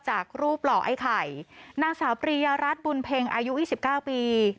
จากรูปหล่อไอ้ไข่นางสาวปริยรัฐบุญเพ็งอายุ๒๙ปี